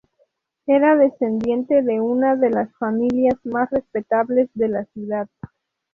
Era descendiente de una de las familias más respetables de la ciudad.